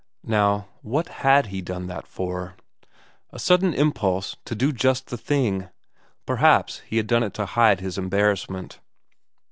Now what had he done that for? A sudden impulse to do just that thing; perhaps he had done it to hide his embarrassment.